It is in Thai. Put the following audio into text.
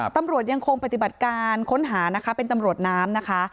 ตำรวจยังคงปฏิบัติการค้นหานะคะเป็นตำรวจน้ำนะคะ